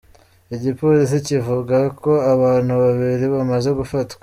Igipolisi kivuga ko abantu babiri bamaze gufatwa.